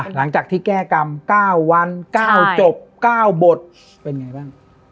หลังจากที่แก้กรรม๙วัน๙จบ๙บทเป็นไงบ้าง